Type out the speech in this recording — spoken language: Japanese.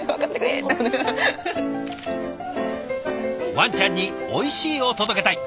ワンちゃんにおいしいを届けたい。